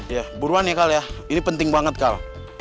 iya buruan ya kal ya ini penting banget kal